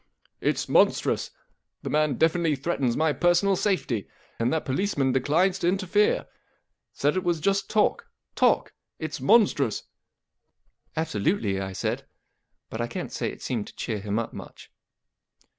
M It's monstrous ! The man definitely threatens my personal safety, and that policeman declines to interfere. Said it was just talk, Talk ! It/s monstrous !"" Absolutely/* I said, but I canT say it seemed to cheer him up much.